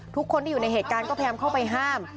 ทุกคนที่อยู่ในเหตุการณ์ก็พยายามเข้าไปห้าม